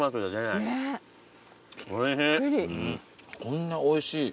こんなおいしい。